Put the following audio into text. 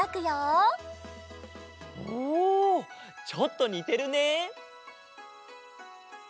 おおちょっとにてるね。